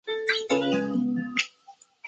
我们只能下车等